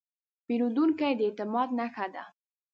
پیرودونکی د اعتماد نښه ده.